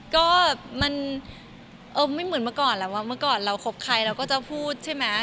ก็มันไม่เหมือนเมื่อก่อนแล้วว่าเมื่อก่อนเราคบใครเราก็จะพูดใช่ไหม